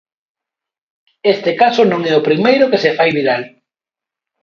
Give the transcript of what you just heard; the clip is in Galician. Este caso no é primeiro que se fai viral.